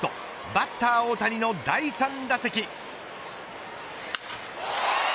バッター大谷の第３打席。